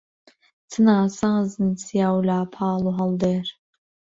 چ ناسازن چیا و لاپاڵ و هەڵدێر